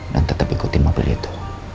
dan tetap ikutin mobil itu